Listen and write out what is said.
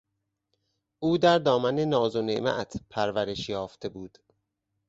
او در دامن ناز و نعمت پرورش یافته بود.